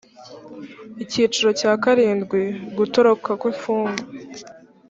icyiciro cya karindwi ugutoroka kw imfungwa